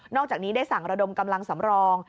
อกจากนี้ได้สั่งระดมกำลังสำรอง